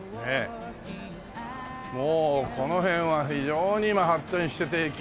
もうこの辺は非常に今発展してて駅前はね。